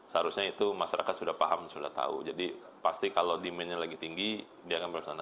seharusnya itu masyarakat sudah paham sudah tahu jadi pasti kalau demandnya lagi tinggi dia akan berusaha naik